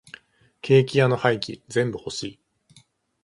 ケーキ屋の廃棄全部欲しい。